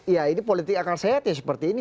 ya ini politik akal sehat ya seperti ini